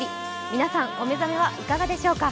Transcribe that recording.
皆さんお目覚めはいかがでしょうか。